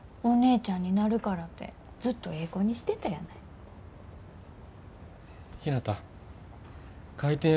お姉ちゃんになるからてずっとええ子にしてたやない。